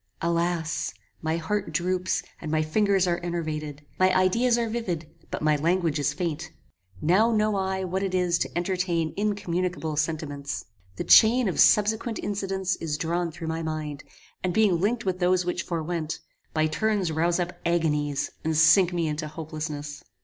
Alas! my heart droops, and my fingers are enervated; my ideas are vivid, but my language is faint: now know I what it is to entertain incommunicable sentiments. The chain of subsequent incidents is drawn through my mind, and being linked with those which forewent, by turns rouse up agonies and sink me into hopelessness.